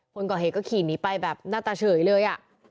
คนก่อเหตุก็ขี่หนีไปแบบหน้าตาเฉยเลย